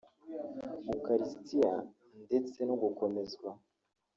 ukarisitiya ndetse n’ugukomezwa)